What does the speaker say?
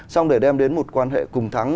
xong để đem đến một quan hệ cùng thắng